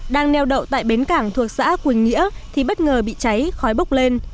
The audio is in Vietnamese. đang neo đậu tại bến cảng thuộc xã quỳnh nghĩa thì bất ngờ bị cháy khói bốc lên